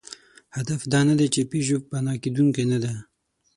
هدف دا نهدی، چې پيژو فنا کېدونکې نهده.